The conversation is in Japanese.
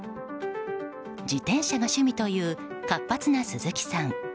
自転車が趣味という活発な鈴木さん。